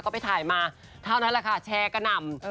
ก็ไปถ่ายมาเท่านั้นแหละค่ะแชร์กระหน่ำ